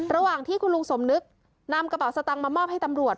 ระหว่างที่คุณลุงสมนึกนำกระเป๋าสตังค์มามอบให้ตำรวจ